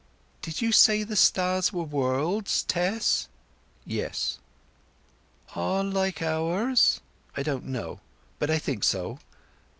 "Did you say the stars were worlds, Tess?" "Yes." "All like ours?" "I don't know; but I think so.